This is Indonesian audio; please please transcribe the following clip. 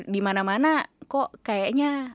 dimana mana kok kayaknya